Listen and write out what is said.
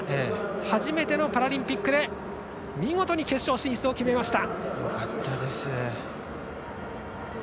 初めてのパラリンピックで見事に決勝進出を決めました。